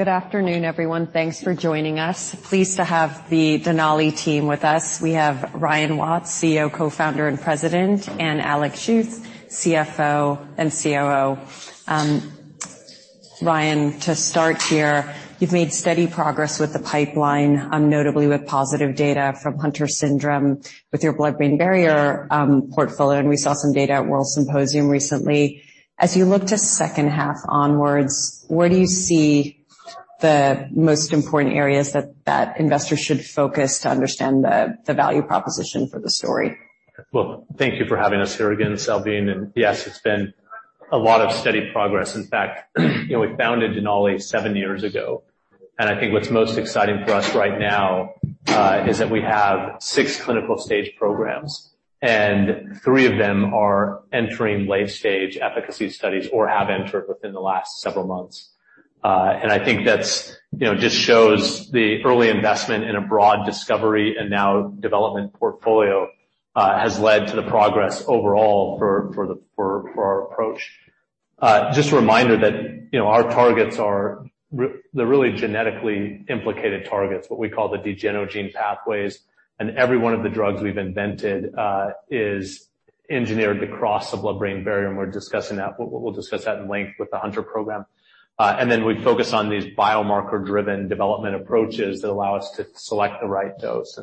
Good afternoon, everyone. Thanks for joining us. Pleased to have the Denali team with us. We have Ryan Watts, CEO, Co-Founder, and President, and Alex Schuth, CFO and COO. Ryan, to start here, you've made steady progress with the pipeline, notably with positive data from Hunter syndrome with your blood-brain barrier portfolio, and we saw some data at WORLDSymposium recently. As you look to second half onwards, where do you see the most important areas that investors should focus to understand the value proposition for the story? Well, thank you for having us here again, Salveen. Yes, it's been a lot of steady progress. In fact, you know, we founded Denali seven years ago, and I think what's most exciting for us right now is that we have six clinical stage programs, and three of them are entering late stage efficacy studies or have entered within the last several months. I think that's, you know, just shows the early investment in a broad discovery and now development portfolio has led to the progress overall for our approach. Just a reminder that, you know, our targets are they're really genetically implicated targets, what we call the degenogenes pathways. Every one of the drugs we've invented is engineered to cross the blood-brain barrier, and we're discussing that. We'll discuss that at length with the Hunter program. We focus on these biomarker-driven development approaches that allow us to select the right dose.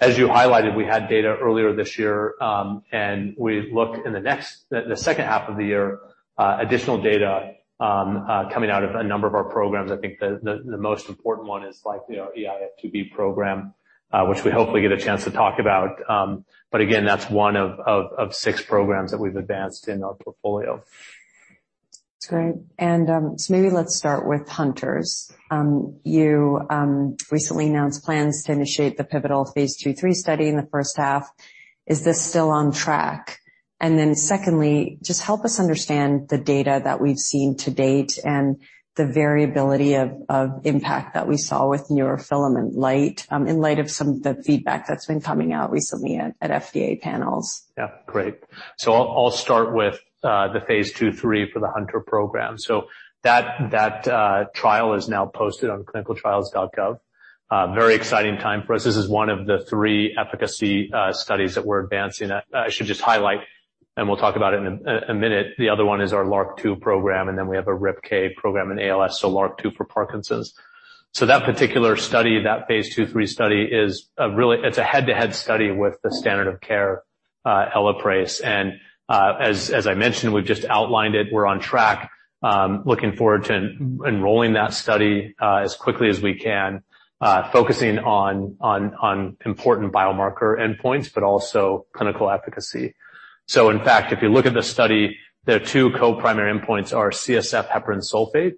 As you highlighted, we had data earlier this year, and we look forward to the second half of the year, additional data coming out of a number of our programs. I think the most important one is likely our eIF2B program, which we hopefully get a chance to talk about. Again, that's one of six programs that we've advanced in our portfolio. That's great. Maybe let's start with Hunter syndrome. You recently announced plans to initiate the pivotal phase II/III study in the first half. Is this still on track? Secondly, just help us understand the data that we've seen to date and the variability of impact that we saw with neurofilament light, in light of some of the feedback that's been coming out recently at FDA panels. Yeah. Great. I'll start with the phase II/III for the Hunter program. That trial is now posted on ClinicalTrials.gov. Very exciting time for us. This is one of the three efficacy studies that we're advancing. I should just highlight, and we'll talk about it in a minute. The other one is our LRRK2 program, and then we have a RIPK program in ALS, so LRRK2 for Parkinson's. That particular study, that phase II/III study, is a head-to-head study with the standard of care, Elaprase. As I mentioned, we've just outlined it. We're on track, looking forward to enrolling that study as quickly as we can, focusing on important biomarker endpoints, but also clinical efficacy. In fact, if you look at the study, their two co-primary endpoints are CSF heparan sulfate,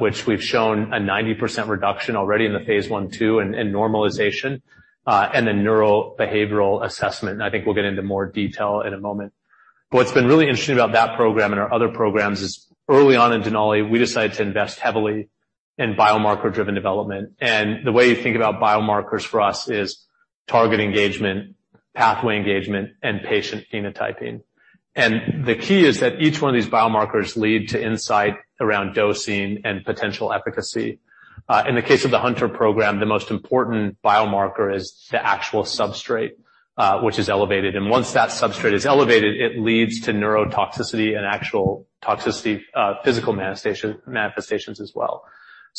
which we've shown a 90% reduction already in the phase I/II in normalization, and the neurobehavioral assessment. I think we'll get into more detail in a moment. What's been really interesting about that program and our other programs is early on in Denali, we decided to invest heavily in biomarker-driven development. The way you think about biomarkers for us is target engagement, pathway engagement, and patient phenotyping. The key is that each one of these biomarkers lead to insight around dosing and potential efficacy. In the case of the Hunter program, the most important biomarker is the actual substrate, which is elevated. Once that substrate is elevated, it leads to neurotoxicity and actual toxicity, physical manifestations as well.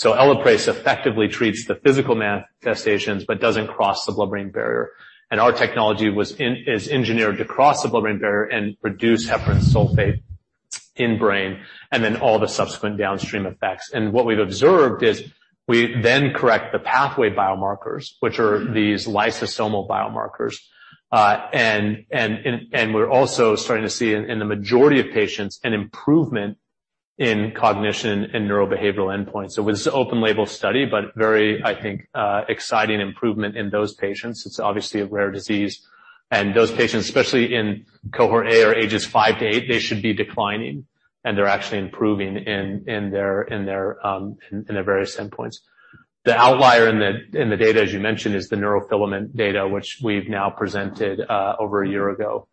Elaprase effectively treats the physical manifestations but doesn't cross the blood-brain barrier. Our technology is engineered to cross the blood-brain barrier and reduce heparan sulfate in brain, and then all the subsequent downstream effects. What we've observed is we then correct the pathway biomarkers, which are these lysosomal biomarkers. We're also starting to see in the majority of patients an improvement in cognition and neurobehavioral endpoints. It was an open label study, but very, I think, exciting improvement in those patients. It's obviously a rare disease. Those patients, especially in cohort A or ages five to eight, they should be declining, and they're actually improving in their various endpoints. The outlier in the data, as you mentioned, is the neurofilament data, which we've now presented over a year ago.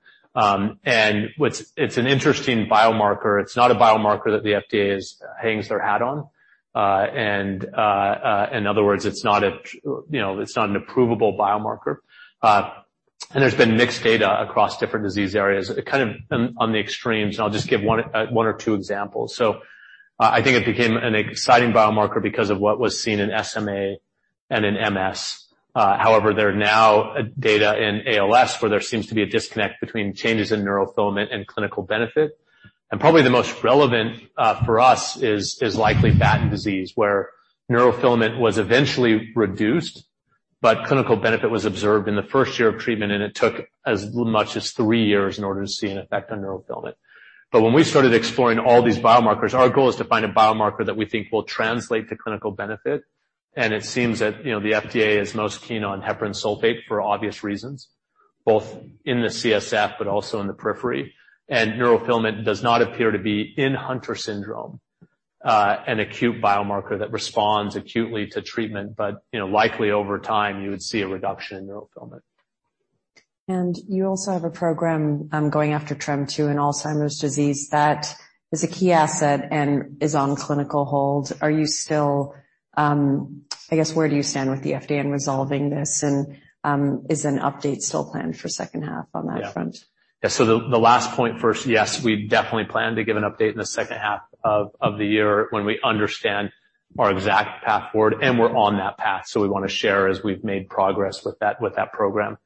It's an interesting biomarker. It's not a biomarker that the FDA hangs their hat on. In other words, it's not a, you know, it's not an approvable biomarker. There's been mixed data across different disease areas, kind of on the extremes, and I'll just give one or two examples. I think it became an exciting biomarker because of what was seen in SMA and in MS. However, there are now data in ALS where there seems to be a disconnect between changes in neurofilament and clinical benefit. Probably the most relevant for us is likely Batten disease, where neurofilament was eventually reduced, but clinical benefit was observed in the first year of treatment, and it took as much as three years in order to see an effect on neurofilament. When we started exploring all these biomarkers, our goal is to find a biomarker that we think will translate to clinical benefit. It seems that, you know, the FDA is most keen on heparan sulfate for obvious reasons, both in the CSF but also in the periphery. Neurofilament does not appear to be in Hunter syndrome an acute biomarker that responds acutely to treatment, but, you know, likely over time, you would see a reduction in neurofilament. You also have a program going after TREM2 in Alzheimer's disease that is a key asset and is on clinical hold. Are you still, I guess, where do you stand with the FDA in resolving this? Is an update still planned for second half on that front? Yeah. The last point first. Yes, we definitely plan to give an update in the second half of the year when we understand our exact path forward, and we're on that path, so we wanna share as we've made progress with that program.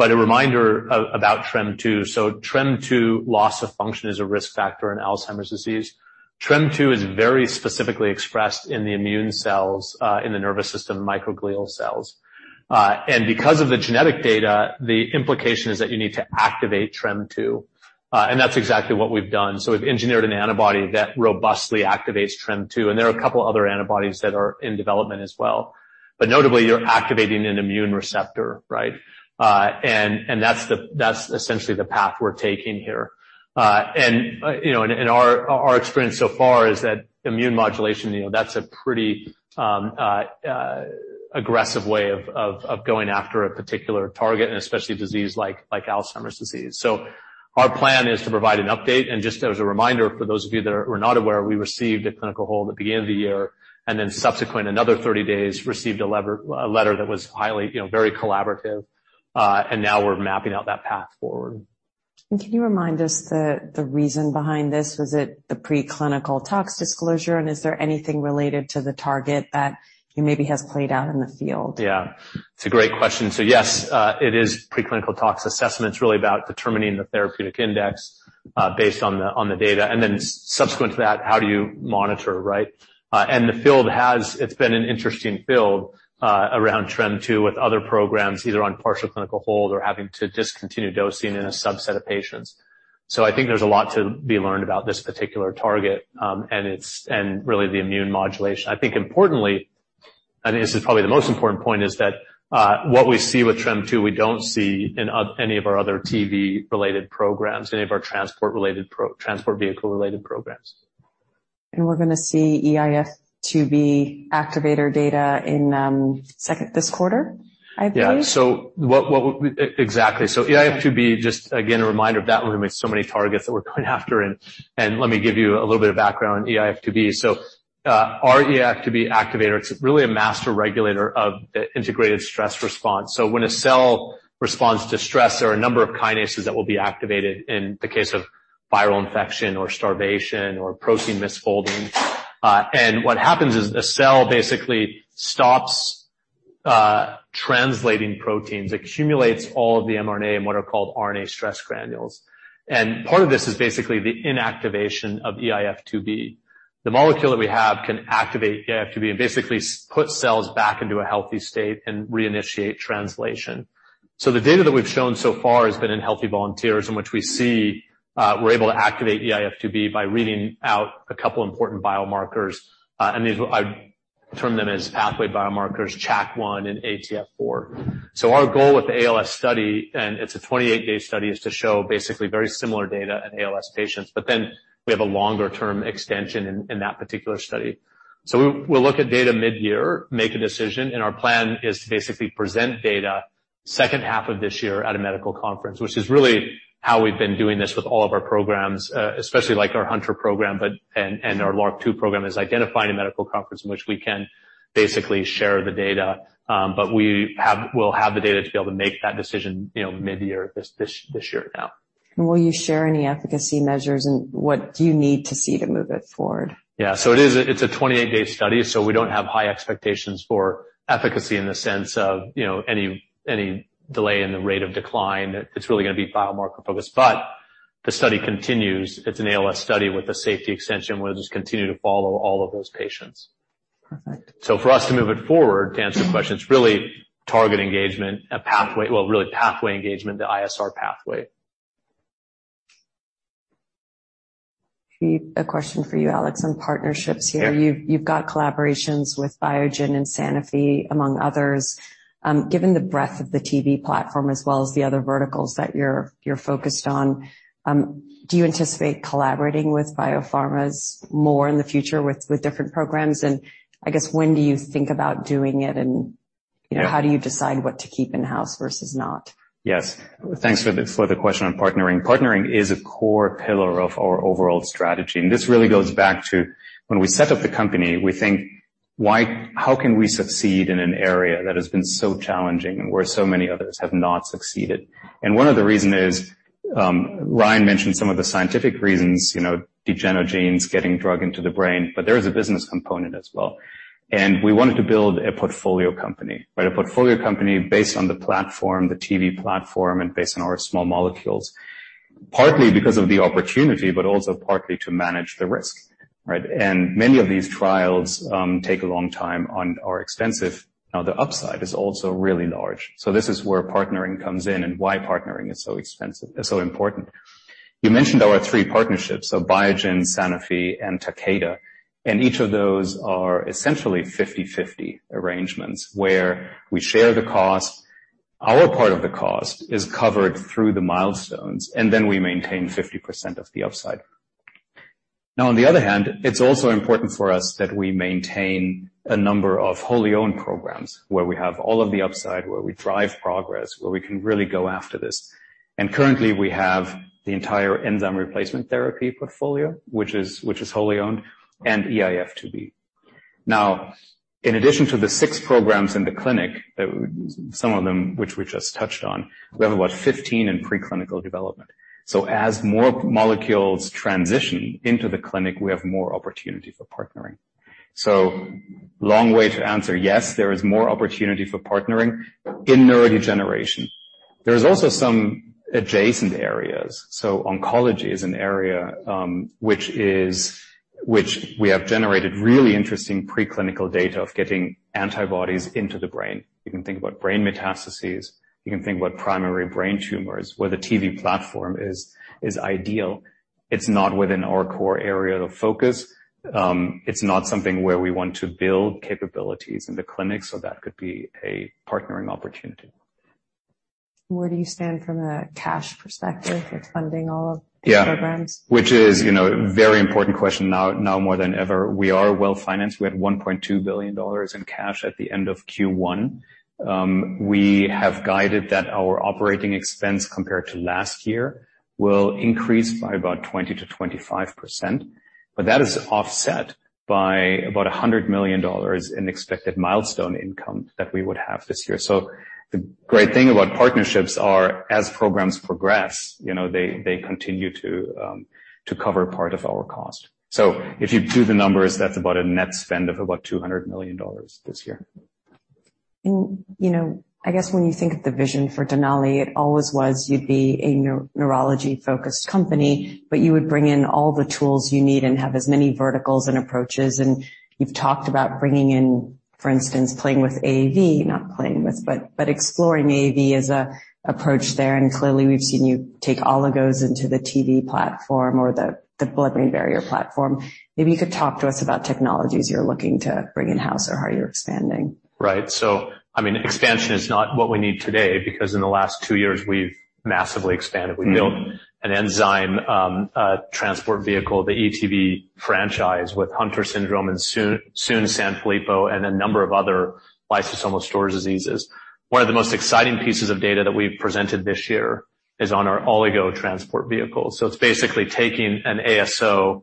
A reminder about TREM2. TREM2 loss of function is a risk factor in Alzheimer's disease. TREM2 is very specifically expressed in the immune cells in the nervous system, microglial cells. And because of the genetic data, the implication is that you need to activate TREM2, and that's exactly what we've done. We've engineered an antibody that robustly activates TREM2, and there are a couple other antibodies that are in development as well. Notably, you're activating an immune receptor, right? And that's essentially the path we're taking here. You know, our experience so far is that immune modulation, you know, that's a pretty aggressive way of going after a particular target and especially a disease like Alzheimer's disease. Our plan is to provide an update. Just as a reminder, for those of you that are not aware, we received a clinical hold at the beginning of the year, and then subsequent, another 30 days, received a letter that was highly, you know, very collaborative, and now we're mapping out that path forward. Can you remind us the reason behind this? Was it the preclinical tox disclosure, and is there anything related to the target that maybe has played out in the field? Yeah. It's a great question. Yes, it is preclinical tox assessment. It's really about determining the therapeutic index based on the data. Subsequent to that, how do you monitor, right? It's been an interesting field around TREM2 with other programs either on partial clinical hold or having to discontinue dosing in a subset of patients. I think there's a lot to be learned about this particular target, and really the immune modulation. I think importantly, and this is probably the most important point, is that what we see with TREM2, we don't see in any of our other TV-related programs, any of our transport-related transport vehicle-related programs. We're gonna see eIF2B activator data in this quarter, I believe? Yeah. Exactly. eIF2B, just again, a reminder of that. We have so many targets that we're going after and let me give you a little bit of background on eIF2B. Our eIF2B activator, it's really a master regulator of Integrated Stress Response. When a cell responds to stress, there are a number of kinases that will be activated in the case of viral infection or starvation or protein misfolding. What happens is the cell basically stops translating proteins. It accumulates all of the mRNA in what are called RNA stress granules. Part of this is basically the inactivation of eIF2B. The molecule that we have can activate eIF2B and basically put cells back into a healthy state and reinitiate translation. The data that we've shown so far has been in healthy volunteers in which we see we're able to activate eIF2B by reading out a couple important biomarkers, and these I term them as pathway biomarkers, CHAC1 and ATF4. Our goal with the ALS study, and it's a 28-day study, is to show basically very similar data in ALS patients, but then we have a longer-term extension in that particular study. We'll look at data mid-year, make a decision, and our plan is to basically present data second half of this year at a medical conference, which is really how we've been doing this with all of our programs, especially like our Hunter program, but and our LRRK2 program is identifying a medical conference in which we can basically share the data. We'll have the data to be able to make that decision, you know, mid-year this year now. Will you share any efficacy measures, and what do you need to see to move it forward? It is a 28-day study, so we don't have high expectations for efficacy in the sense of, you know, any delay in the rate of decline. It's really gonna be biomarker-focused. The study continues. It's an ALS study with a safety extension. We'll just continue to follow all of those patients. Perfect. For us to move it forward, to answer the question, it's really pathway engagement, the ISR pathway. A question for you, Alex, on partnerships here. Yeah. You've got collaborations with Biogen and Sanofi, among others. Given the breadth of the TV platform as well as the other verticals that you're focused on, do you anticipate collaborating with biopharmas more in the future with different programs? I guess when do you think about doing it and, you know- Yeah. How do you decide what to keep in-house versus not? Yes. Thanks for the question on partnering. Partnering is a core pillar of our overall strategy, and this really goes back to when we set up the company. We think, how can we succeed in an area that has been so challenging and where so many others have not succeeded? One of the reasons is, Ryan mentioned some of the scientific reasons, you know, degenogenes getting drug into the brain, but there is a business component as well. We wanted to build a portfolio company. Right? A portfolio company based on the platform, the TV platform, and based on our small molecules, partly because of the opportunity, but also partly to manage the risk, right? Many of these trials take a long time and are extensive. Now, the upside is also really large. This is where partnering comes in and why partnering is so expensive, so important. You mentioned our three partnerships, Biogen, Sanofi, and Takeda, and each of those are essentially 50/50 arrangements where we share the cost. Our part of the cost is covered through the milestones, and then we maintain 50% of the upside. Now on the other hand, it's also important for us that we maintain a number of wholly owned programs where we have all of the upside, where we drive progress, where we can really go after this. Currently, we have the entire enzyme replacement therapy portfolio, which is wholly owned and eIF2B. Now, in addition to the six programs in the clinic, some of them which we just touched on, we have about 15 in preclinical development. As more molecules transition into the clinic, we have more opportunity for partnering. Long way to answer, yes, there is more opportunity for partnering in neurodegeneration. There's also some adjacent areas. Oncology is an area which we have generated really interesting preclinical data on getting antibodies into the brain. You can think about brain metastases. You can think about primary brain tumors where the TV platform is ideal. It's not within our core area of focus. It's not something where we want to build capabilities in the clinic, so that could be a partnering opportunity. Where do you stand from a cash perspective with funding all of these programs? Yeah. Which is, you know, a very important question now more than ever. We are well-financed. We had $1.2 billion in cash at the end of Q1. We have guided that our operating expense compared to last year will increase by about 20%-25%. That is offset by about $100 million in expected milestone income that we would have this year. The great thing about partnerships are as programs progress, you know, they continue to cover part of our cost. If you do the numbers, that's about a net spend of about $200 million this year. You know, I guess when you think of the vision for Denali, it always was you'd be a neurology-focused company, but you would bring in all the tools you need and have as many verticals and approaches. You've talked about bringing in, for instance, exploring AAV as an approach there. Clearly, we've seen you take oligos into the TV platform or the blood-brain barrier platform. Maybe you could talk to us about technologies you're looking to bring in-house or how you're expanding. Right. I mean, expansion is not what we need today because in the last two years we've massively expanded. We built an enzyme transport vehicle, the ETV franchise with Hunter syndrome and soon Sanfilippo syndrome and a number of other lysosomal storage diseases. One of the most exciting pieces of data that we've presented this year is on our oligo transport vehicles. It's basically taking an ASO,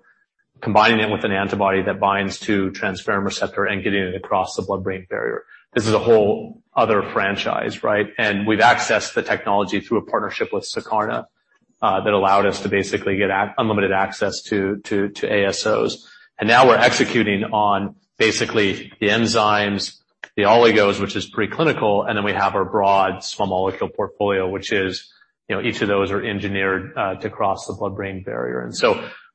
combining it with an antibody that binds to transferrin receptor and getting it across the blood-brain barrier. This is a whole other franchise, right? We've accessed the technology through a partnership with Sirnaomics that allowed us to basically get unlimited access to ASOs. Now we're executing on basically the enzymes, the oligos, which is preclinical. We have our broad small molecule portfolio, which is, you know, each of those are engineered to cross the blood-brain barrier.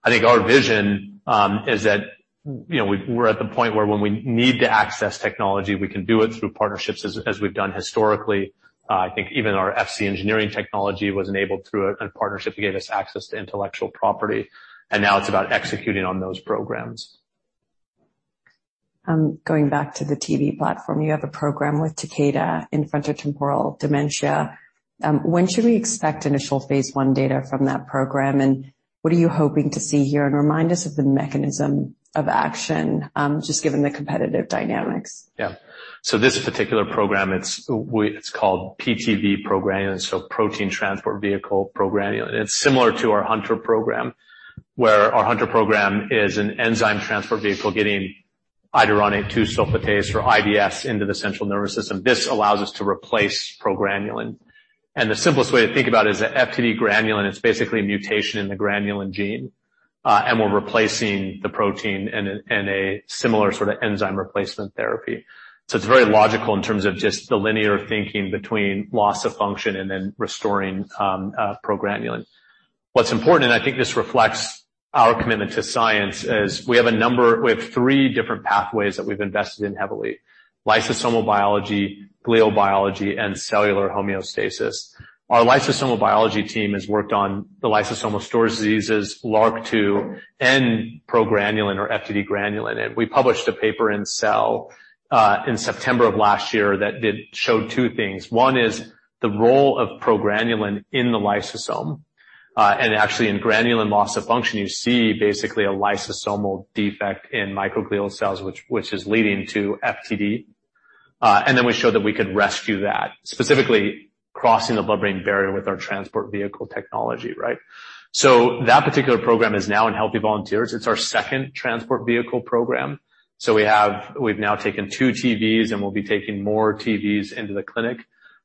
I think our vision is that, you know, we're at the point where when we need to access technology, we can do it through partnerships as we've done historically. I think even our Fc engineering technology was enabled through a partnership that gave us access to intellectual property, and now it's about executing on those programs. Going back to the TV platform. You have a program with Takeda in frontotemporal dementia. When should we expect initial phase 1 data from that program, and what are you hoping to see here? Remind us of the mechanism of action, just given the competitive dynamics. Yeah. This particular program, it's called PTV progranulin, so protein transport vehicle progranulin. It's similar to our Hunter program, where our Hunter program is an Enzyme Transport Vehicle getting iduronate two-sulfatase or I2S into the central nervous system. This allows us to replace progranulin. The simplest way to think about it is that FTD granulin is basically a mutation in the granulin gene. We're replacing the protein in a similar sort of enzyme replacement therapy. It's very logical in terms of just the linear thinking between loss of function and then restoring progranulin. What's important, and I think this reflects our commitment to science, is we have three different pathways that we've invested in heavily, lysosomal biology, glial biology, and cellular homeostasis. Our lysosomal biology team has worked on the lysosomal storage diseases LRRK2 and progranulin or FTD granulin. We published a paper in Cell in September of last year that did show two things. One is the role of progranulin in the lysosome. Actually in granulin loss of function, you see basically a lysosomal defect in microglial cells, which is leading to FTD. We showed that we could rescue that, specifically crossing the blood-brain barrier with our Transport Vehicle technology, right? That particular program is now in healthy volunteers. It's our second Transport Vehicle program. We've now taken two TVs, and we'll be taking more TVs into the clinic.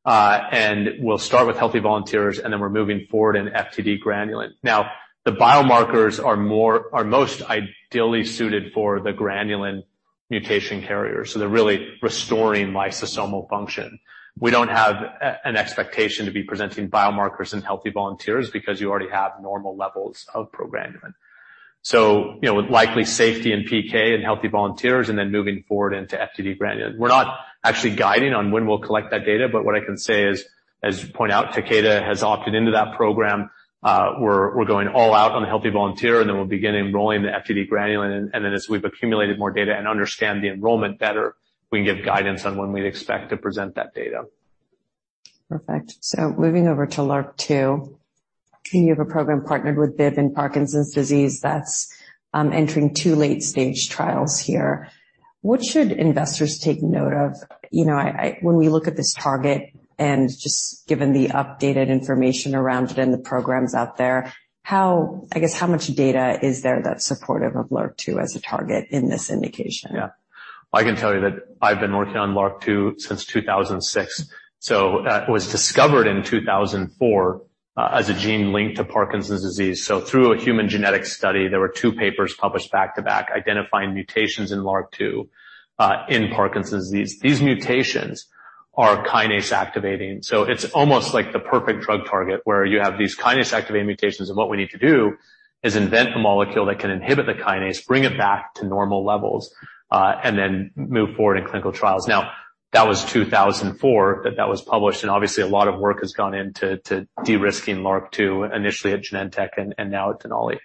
We'll start with healthy volunteers, and then we're moving forward in FTD granulin. Now, the biomarkers are most ideally suited for the granulin mutation carrier. They're really restoring lysosomal function. We don't have an expectation to be presenting biomarkers in healthy volunteers because you already have normal levels of progranulin. You know, likely safety and PK in healthy volunteers and then moving forward into FTD granulin. We're not actually guiding on when we'll collect that data, but what I can say is, as you point out, Takeda has opted into that program. We're going all out on the healthy volunteer, and then we'll begin enrolling the FTD granulin. As we've accumulated more data and understand the enrollment better, we can give guidance on when we'd expect to present that data. Perfect. Moving over to LRRK2. You have a program partnered with Biogen Parkinson's disease that's entering two late stage trials here. What should investors take note of? When we look at this target and just given the updated information around it and the programs out there, I guess how much data is there that's supportive of LRRK2 as a target in this indication? Yeah. I can tell you that I've been working on LRRK2 since 2006. It was discovered in 2004 as a gene linked to Parkinson's disease. Through a human genetic study, there were two papers published back-to-back identifying mutations in LRRK2 in Parkinson's disease. These mutations are kinase activating. It's almost like the perfect drug target where you have these kinase activating mutations, and what we need to do is invent a molecule that can inhibit the kinase, bring it back to normal levels, and then move forward in clinical trials. Now, that was 2004 that was published, and obviously a lot of work has gone into de-risking LRRK2, initially at Genentech and now at Denali.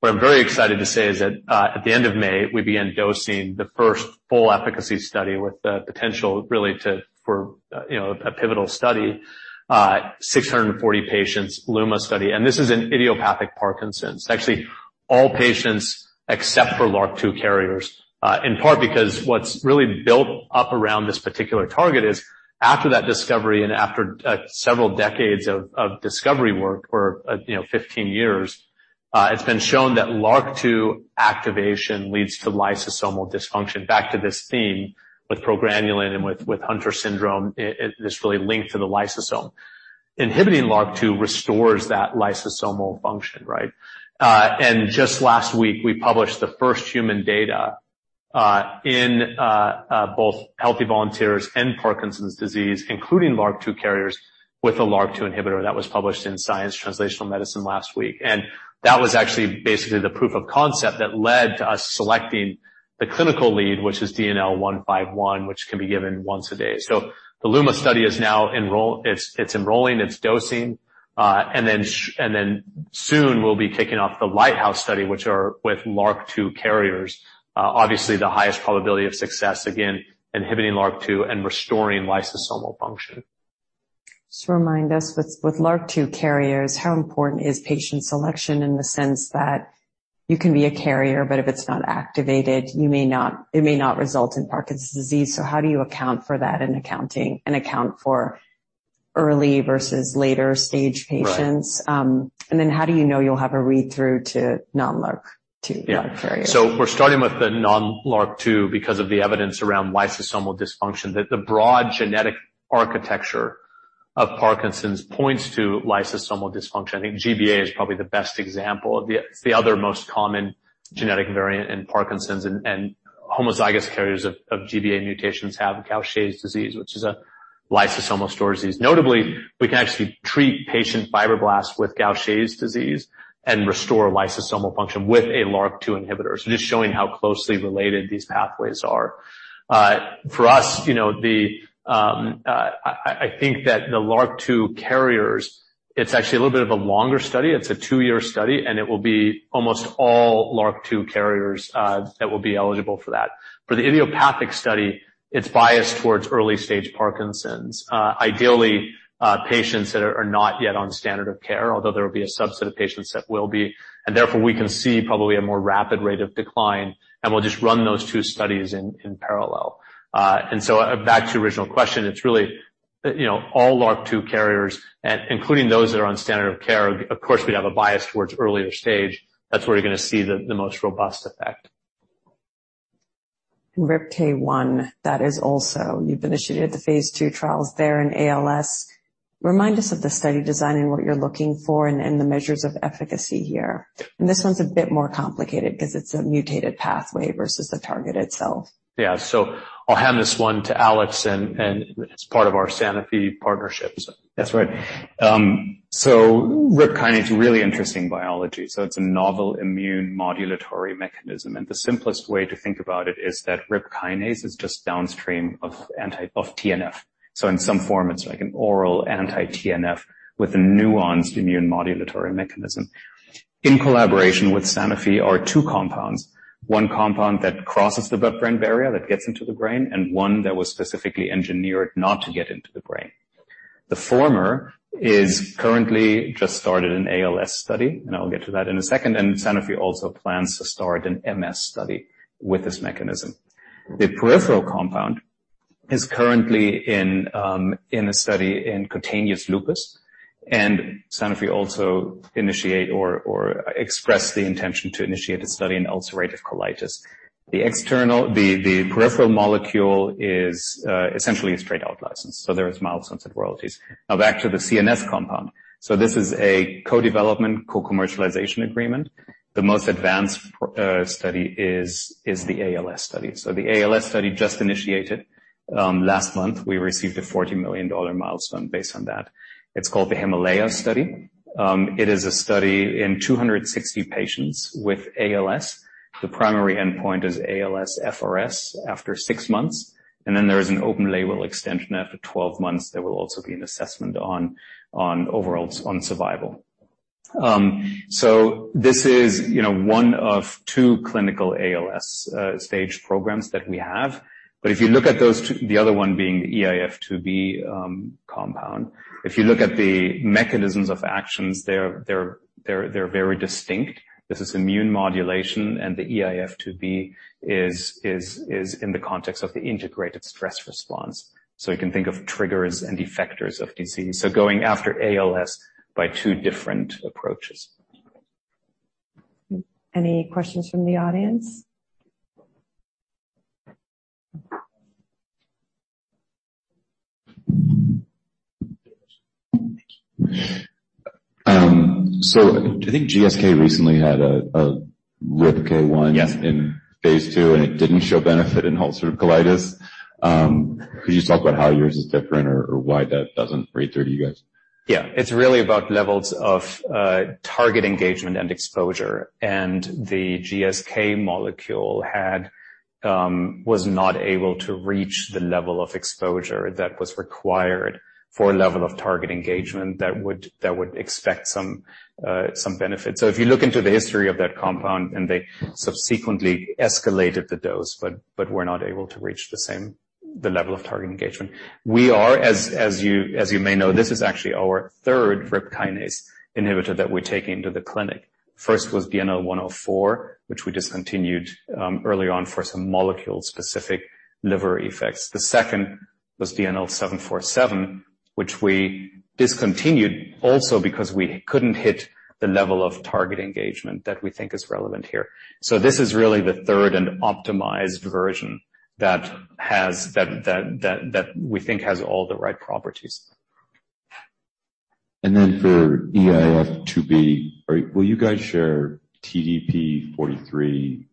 What I'm very excited to say is that at the end of May, we began dosing the first full efficacy study with the potential really to, for you know a pivotal study 640 patients LUMA study. This is an idiopathic Parkinson's. Actually, all patients except for LRRK2 carriers in part because what's really built up around this particular target is after that discovery and after several decades of discovery work or you know 15 years it's been shown that LRRK2 activation leads to lysosomal dysfunction. Back to this theme with progranulin and with Hunter syndrome, it's really linked to the lysosome. Inhibiting LRRK2 restores that lysosomal function, right? Just last week, we published the first human data in both healthy volunteers and Parkinson's disease, including LRRK2 carriers with a LRRK2 inhibitor that was published in Science Translational Medicine last week. That was actually basically the proof of concept that led to us selecting the clinical lead, which is DNL151, which can be given once a day. The LUMA study is now enrolling, dosing, and then soon we'll be kicking off the LIGHTHOUSE study, which are with LRRK2 carriers. Obviously, the highest probability of success, again, inhibiting LRRK2 and restoring lysosomal function. Just remind us with LRRK2 carriers, how important is patient selection in the sense that you can be a carrier, but if it's not activated, it may not result in Parkinson's disease. How do you account for that in accounting for early versus later stage patients? Right. How do you know you'll have a read-through to non-LRRK2 carrier? Yeah. We're starting with the non-LRRK2 because of the evidence around lysosomal dysfunction. The broad genetic architecture of Parkinson's points to lysosomal dysfunction. I think GBA is probably the best example. It's the other most common genetic variant in Parkinson's and homozygous carriers of GBA mutations have Gaucher disease, which is a lysosomal storage disease. Notably, we can actually treat patient fibroblasts with Gaucher disease and restore lysosomal function with a LRRK2 inhibitor. Just showing how closely related these pathways are. For us, you know, I think that the LRRK2 carriers, it's actually a little bit of a longer study. It's a two-year study, and it will be almost all LRRK2 carriers that will be eligible for that. For the idiopathic study, it's biased towards early-stage Parkinson's. Ideally, patients that are not yet on standard of care, although there will be a subset of patients that will be. Therefore, we can see probably a more rapid rate of decline, and we'll just run those two studies in parallel. Back to your original question, it's really, you know, all LRRK2 carriers, and including those that are on standard of care, of course, we'd have a bias towards earlier stage. That's where you're gonna see the most robust effect. RIPK1, that is also. You've initiated the phase two trials there in ALS. Remind us of the study design and what you're looking for and the measures of efficacy here. This one's a bit more complicated because it's a mutated pathway versus the target itself. Yeah. I'll hand this one to Alex, and as part of our Sanofi partnerships. That's right. RIPK kinase is really interesting biology. It's a novel immune modulatory mechanism. The simplest way to think about it is that RIPK kinase is just downstream of TNF. In some form, it's like an oral anti-TNF with a nuanced immune modulatory mechanism. In collaboration with Sanofi are two compounds, one compound that crosses the blood-brain barrier that gets into the brain, and one that was specifically engineered not to get into the brain. The former is currently just started an ALS study, and I'll get to that in a second. Sanofi also plans to start an MS study with this mechanism. The peripheral compound is currently in a study in cutaneous lupus. Sanofi also expressed the intention to initiate a study in ulcerative colitis. The peripheral molecule is essentially an outright license, so there is milestone and royalties. Now back to the CNS compound. This is a co-development, co-commercialization agreement. The most advanced study is the ALS study. The ALS study just initiated last month. We received a $40 million milestone based on that. It's called the HIMALAYA study. It is a study in 260 patients with ALS. The primary endpoint is ALSFRS after six months, and then there is an open label extension after 12 months. There will also be an assessment on overall survival. This is, you know, one of two clinical ALS stage programs that we have. If you look at those two, the other one being the eIF2B compound. If you look at the mechanisms of actions, they're very distinct. This is immune modulation, and the eIF2B is in the context of the Integrated Stress Response. You can think of triggers and effectors of disease. Going after ALS by two different approaches. Any questions from the audience? I think GSK recently had a RIPK1. Yes. In phase II, and it didn't show benefit in ulcerative colitis. Could you just talk about how yours is different or why that doesn't read through to you guys? Yeah. It's really about levels of target engagement and exposure. The GSK molecule was not able to reach the level of exposure that was required for a level of target engagement that would expect some benefit. If you look into the history of that compound, they subsequently escalated the dose but were not able to reach the level of target engagement. We are, as you may know, this is actually our third RIP kinase inhibitor that we're taking to the clinic. First was DNL104, which we discontinued early on for some molecule-specific liver effects. The second was DNL747, which we discontinued also because we couldn't hit the level of target engagement that we think is relevant here. This is really the third and optimized version that we think has all the right properties. For eIF2B, will you guys share TDP-43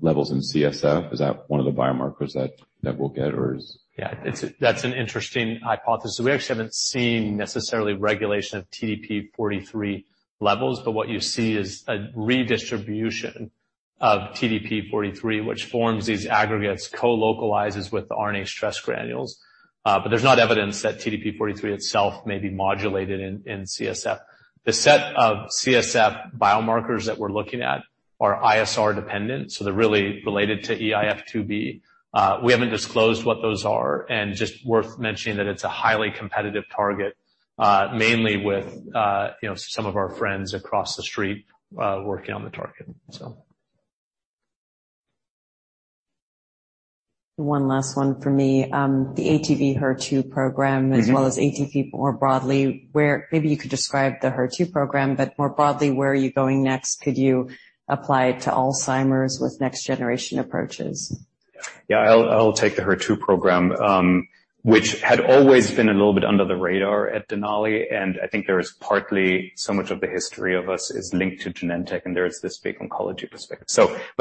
levels in CSF? Is that one of the biomarkers that we'll get or is. Yeah. That's an interesting hypothesis. We actually haven't seen necessarily regulation of TDP-43 levels, but what you see is a redistribution of TDP-43 which forms these aggregates, colocalizes with the RNA stress granules. There's not evidence that TDP-43 itself may be modulated in CSF. The set of CSF biomarkers that we're looking at are ISR dependent, so they're really related to eIF2B. We haven't disclosed what those are, and just worth mentioning that it's a highly competitive target, mainly with, you know, some of our friends across the street, working on the target. One last one for me. The ATV-HER2 program. As well as ATV more broadly, where maybe you could describe the HER2 program, but more broadly, where are you going next? Could you apply it to Alzheimer's with next generation approaches? Yeah. I'll take the HER2 program, which had always been a little bit under the radar at Denali, and I think there is partly so much of the history of us is linked to Genentech, and there's this big oncology perspective.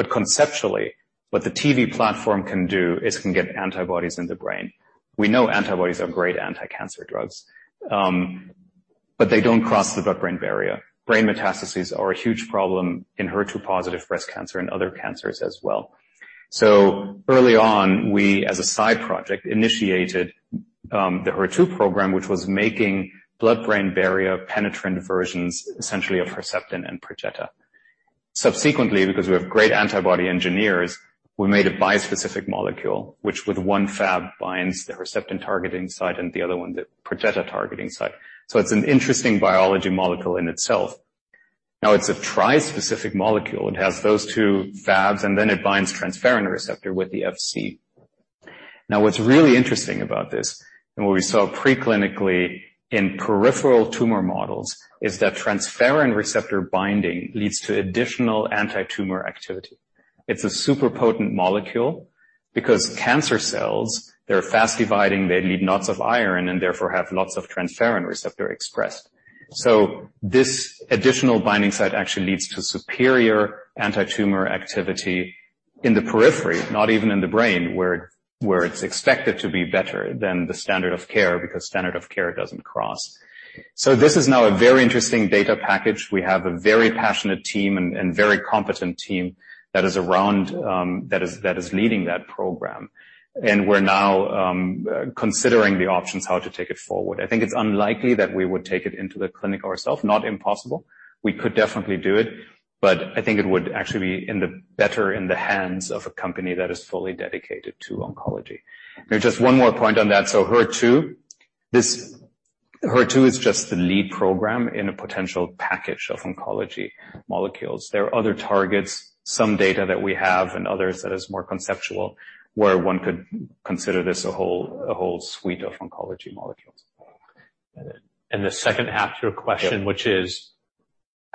Conceptually, what the TV platform can do is can get antibodies in the brain. We know antibodies are great anti-cancer drugs. They don't cross the blood-brain barrier. Brain metastases are a huge problem in HER2 positive breast cancer and other cancers as well. Early on, we, as a side project, initiated the HER2 program, which was making blood-brain barrier penetrant versions essentially of Herceptin and Perjeta. Subsequently, because we have great antibody engineers, we made a bispecific molecule, which, with one Fab, binds the Herceptin targeting site and the other one the Perjeta targeting site. It's an interesting biological molecule in itself. Now it's a trispecific molecule. It has those two Fabs, and then it binds transferrin receptor with the Fc. Now what's really interesting about this, and what we saw preclinically in peripheral tumor models, is that transferrin receptor binding leads to additional antitumor activity. It's a super potent molecule because cancer cells, they're fast dividing, they need lots of iron and therefore have lots of transferrin receptor expressed. This additional binding site actually leads to superior antitumor activity in the periphery, not even in the brain, where it's expected to be better than the standard of care because standard of care doesn't cross. This is now a very interesting data package. We have a very passionate and very competent team that is leading that program. We're now considering the options how to take it forward. I think it's unlikely that we would take it into the clinic ourselves, not impossible. We could definitely do it, but I think it would actually be better in the hands of a company that is fully dedicated to oncology. Just one more point on that. HER2 is just the lead program in a potential package of oncology molecules. There are other targets, some data that we have and others that is more conceptual, where one could consider this a whole suite of oncology molecules. The second half to your question. Yeah. which is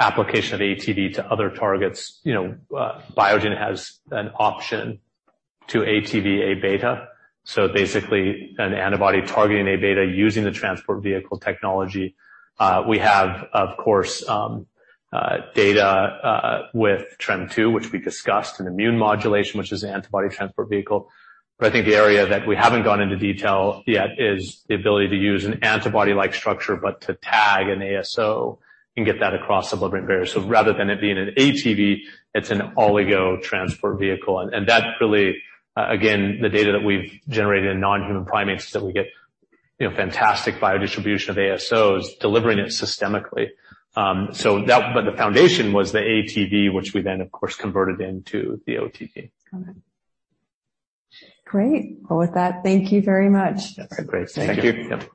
application of ATV to other targets. You know, Biogen has an option to ATV Aβ, so basically an antibody targeting Aβ using the transport vehicle technology. We have, of course, data with TREM2, which we discussed, an immune modulation, which is antibody transport vehicle. I think the area that we haven't gone into detail yet is the ability to use an antibody-like structure, but to tag an ASO and get that across the blood-brain barrier. Rather than it being an ATV, it's an oligo transport vehicle. That really, again, the data that we've generated in non-human primates is that we get, you know, fantastic biodistribution of ASOs delivering it systemically. The foundation was the ATV, which we then of course, converted into the OTV. Got it. Great. Well, with that, thank you very much. Great. Thank you. Thank you.